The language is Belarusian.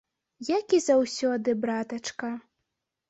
Як і заўсёды, братачка.